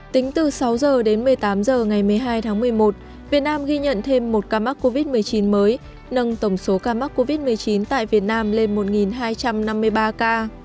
tính từ sáu h đến một mươi tám h ngày một mươi hai tháng một mươi một việt nam ghi nhận thêm một ca mắc covid một mươi chín mới nâng tổng số ca mắc covid một mươi chín tại việt nam lên một hai trăm năm mươi ba ca